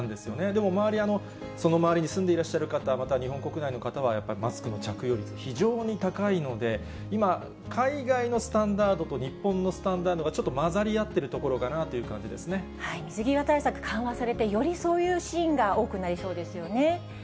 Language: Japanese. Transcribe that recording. でも周り、その周りに住んでいらっしゃる方、また日本国内の方は、やっぱりマスクの着用率、非常に高いので、今、海外のスタンダードと日本のスタンダードがちょっと混ざり合って水際対策、緩和されて、よりそういうシーンが多くなりそうですよね。